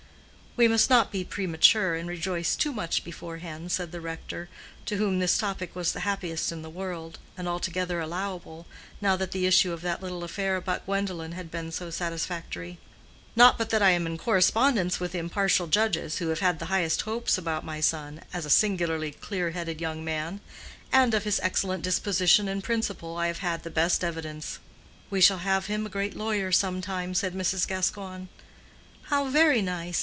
"We must not be premature, and rejoice too much beforehand," said the rector, to whom this topic was the happiest in the world, and altogether allowable, now that the issue of that little affair about Gwendolen had been so satisfactory. "Not but that I am in correspondence with impartial judges, who have the highest hopes about my son, as a singularly clear headed young man. And of his excellent disposition and principle I have had the best evidence." "We shall have him a great lawyer some time," said Mrs. Gascoigne. "How very nice!"